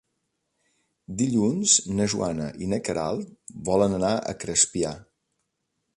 Dilluns na Joana i na Queralt volen anar a Crespià.